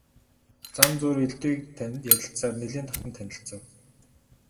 Зам зуур элдвийг ярилцсаар нэлээд дотно танилцав.